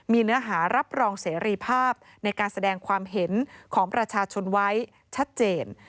มีเนื้อหารับรองเสรีภาพในการแสดงความเห็นของประชาชนไว้ชัดเจน